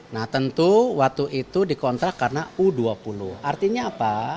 nah tentu waktu itu dikontrak karena u dua puluh artinya apa